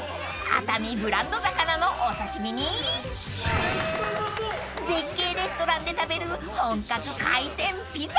［熱海ブランド魚のお刺し身に絶景レストランで食べる本格海鮮ピザ］